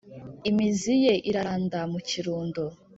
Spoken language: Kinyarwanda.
imizi ye iraranda mu kirundo,